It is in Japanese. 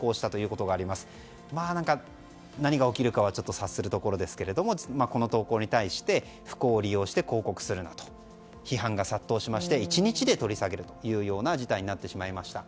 これで何が起きるかは察するところですけれどもこの投稿に対して不幸を利用して広報するなと批判が殺到しまして１日で取り下げる事態になってしまいました。